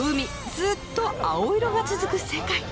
ずっと青色が続く世界。